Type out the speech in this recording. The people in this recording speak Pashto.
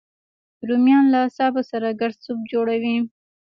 رومیان له سابه سره ګډ سوپ جوړوي